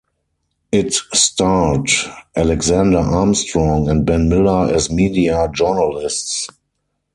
It starred Alexander Armstrong and Ben Miller as media journalists.